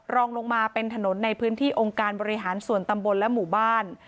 รองลงมาเป็นถนนในพื้นที่องค์การบริหารส่วนตำบลและหมู่บ้าน